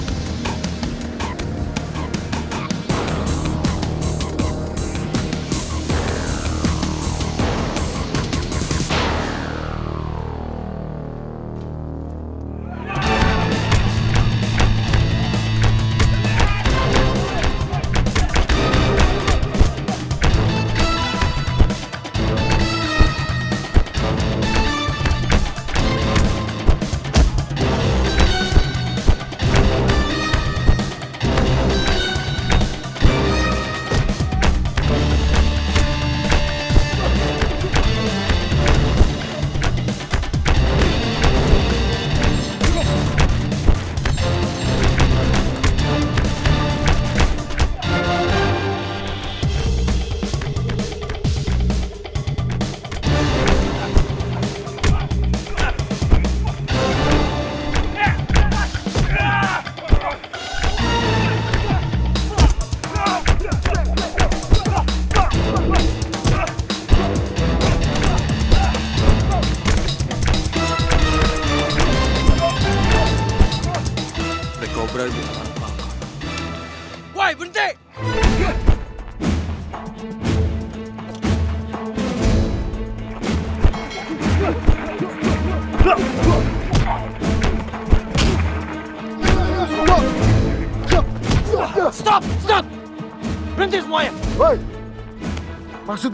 itu bukan anak falcon